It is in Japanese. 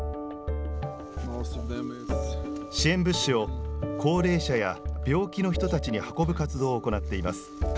支援物資を高齢者や病気の人たちに運ぶ活動を行っています。